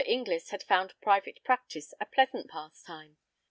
Inglis had found private practice a pleasant pastime.